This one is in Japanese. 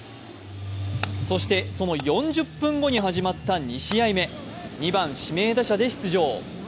そしてその４０分後に始まった２試合目、２番・指名打者で出場。